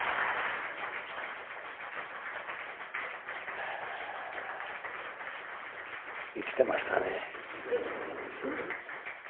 ああ生きてましたね。